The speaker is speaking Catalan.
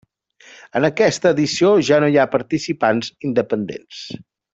En aquesta edició ja no hi ha participants independents.